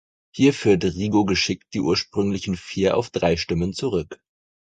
Hier führt Rigo geschickt die ursprünglichen vier auf drei Stimmen zurück.